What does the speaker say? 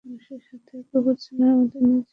কুকুরছানার মতো নিচে ওকে অনুসরণ করবে?